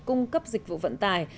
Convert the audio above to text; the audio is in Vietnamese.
cung cấp dịch vụ vận tài